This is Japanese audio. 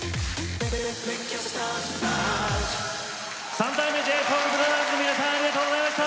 三代目ＪＳＯＵＬＢＲＯＴＨＥＲＳの皆さんありがとうございました。